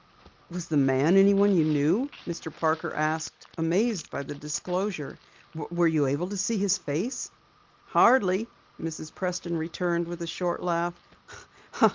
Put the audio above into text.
"Was the man anyone you knew?" Mr. Parker asked, amazed by the disclosure. "Were you able to see his face?" "Hardly," Mrs. Preston returned with a short laugh.